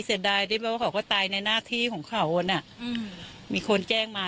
สัญญาพาเขาตายควานเนื่องมาของหน้าที่ก็มีคนแจ้งมา